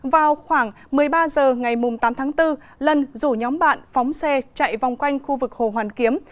vào khoảng một mươi ba h ngày tám tháng bốn lân rủ nhóm bạn phóng xe chạy vòng quanh khu vực hồ hoàn kiếm